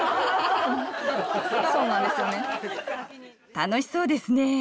楽しそうですね